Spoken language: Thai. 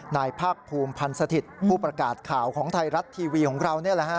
นายภาคภูมิพันธ์สถิตผู้ประกาศข่าวของไทยรัตน์ทีวีของเรา